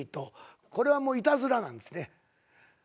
これはいたずらなんですね。